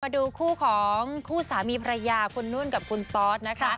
ดูคู่ของคู่สามีภรรยาคุณนุ่นกับคุณตอสนะคะ